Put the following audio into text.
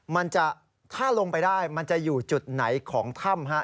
มันจะถ้าลงไปได้มันจะอยู่จุดไหนของถ้ำฮะ